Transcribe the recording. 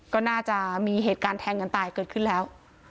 ก็น่าจะมีเหตุการณ์แทงกันตายเกิดขึ้นแล้ว